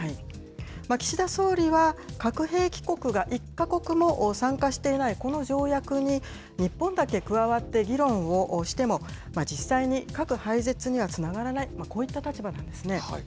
岸田総理は、核兵器国が１か国も参加していないこの条約に、日本だけ加わって議論をしても、実際に核廃絶にはつながらない、こういった立場なんですね。